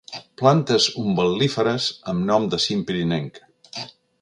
Plantes umbel·líferes amb nom de cim pirinenc.